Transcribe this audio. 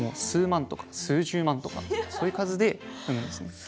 数万とか数十万とかそういう数で産むんですね。